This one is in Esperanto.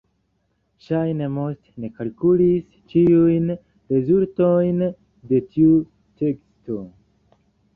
Ŝajne Most ne kalkulis ĉiujn rezultojn de tiu teksto.